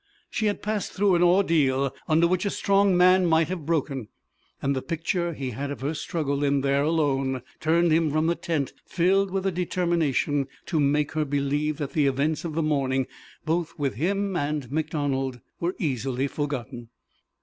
She had passed through an ordeal under which a strong man might have broken, and the picture he had of her struggle in there alone turned him from the tent filled with a determination to make her believe that the events of the morning, both with him and MacDonald, were easily forgotten.